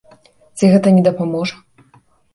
Ці гэта не дапаможа?